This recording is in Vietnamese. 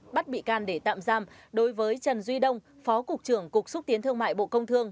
bắt bị can để tạm giam đối với trần duy đông phó cục trưởng cục xúc tiến thương mại bộ công thương